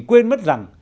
quên mất rằng